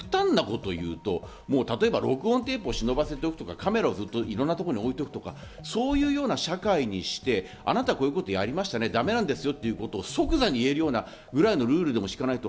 録音テープを忍ばせておいて、カメラをいろんなところに置いておくとか、そういうような社会にして、あなたこういうことやりましたね、ダメなんですよっていうことを即座に言えるようなぐらいのルールしかないと。